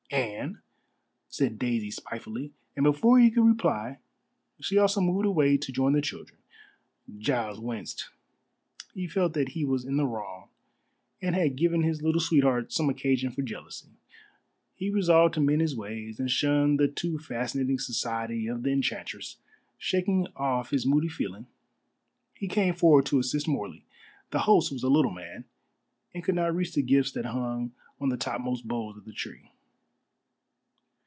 "Anne," said Daisy spitefully, and before he could reply she also moved away to join the children. Giles winced. He felt that he was in the wrong and had given his little sweetheart some occasion for jealousy. He resolved to mend his ways and shun the too fascinating society of the enchantress. Shaking off his moody feeling, he came forward to assist Morley. The host was a little man, and could not reach the gifts that hung on the topmost boughs of the tree.